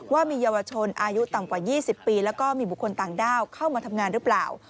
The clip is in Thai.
ว่ามีเยาวชนอายุต่ำกว่า๒๐ปีแล้วก็มีบุคคลต่างด้าวเข้ามาทำงานหรือเปล่า